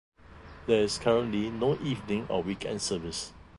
There is currently no evening or weekend service.